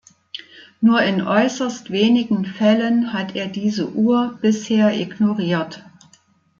Nur in äußerst wenigen Fällen hat er diese Uhr bisher ignoriert.